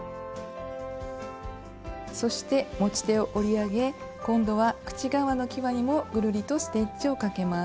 そして持ち手を折り上げ今度は口側のきわにもぐるりとステッチをかけます。